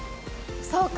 そうか！